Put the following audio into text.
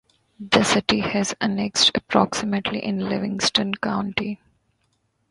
The city has also annexed approximately in Livingston County.